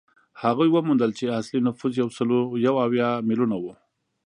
هغوی وموندل چې اصلي نفوس یو سل یو اویا میلیونه وو.